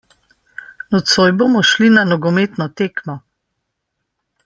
Nocoj bomo šli na nogometno tekmo.